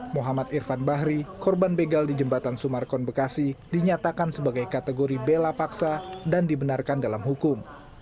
muhammad irfan bahri korban begal di jembatan sumarkon bekasi dinyatakan sebagai kategori bela paksa dan dibenarkan dalam hukum